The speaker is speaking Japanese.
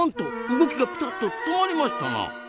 動きがピタッと止まりましたな！